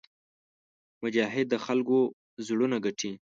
مجاهد د خلکو زړونه ګټي.